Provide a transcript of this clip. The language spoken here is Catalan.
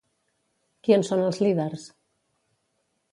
Qui en són els líders?